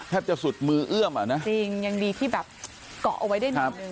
แทบจะสุดมือเอื้อมอ่ะนะจริงยังดีที่แบบเกาะเอาไว้ได้นิดนึง